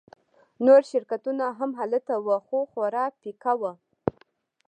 نور شرکتونه هم هلته وو خو خورا پیکه وو